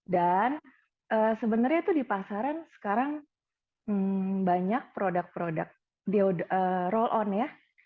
dan sebenarnya itu di pasaran sekarang banyak produk produk roll on ya